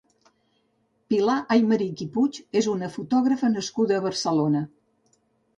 Pilar Aymerich i Puig és una fotògrafa nascuda a Barcelona.